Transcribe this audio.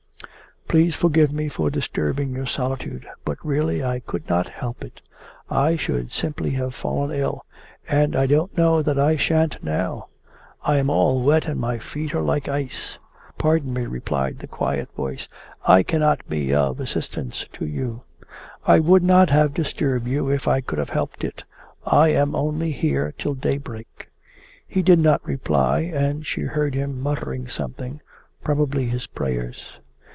'Please forgive me for disturbing your solitude, but really I could not help it. I should simply have fallen ill. And I don't know that I shan't now. I am all wet and my feet are like ice.' 'Pardon me,' replied the quiet voice. 'I cannot be of any assistance to you.' 'I would not have disturbed you if I could have helped it. I am only here till daybreak.' He did not reply and she heard him muttering something, probably his prayers.